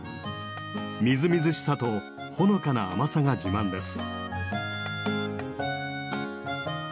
みずみずしさとほのかな甘さが自慢です。